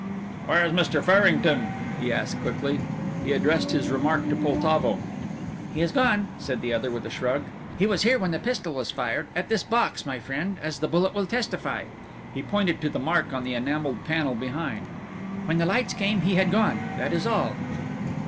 "Where is Mr. Farrington?" he asked, quickly. He addressed his remark to Poltavo. "He is gone," said the other, with a shrug. "He was here when the pistol was fired at this box, my friend, as the bullet will testify." He pointed to the mark on the enamelled panel behind. "When the lights came he had gone that is all."